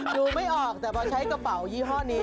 ดูไม่ออกแต่พอใช้กระเป๋ายี่ห้อนี้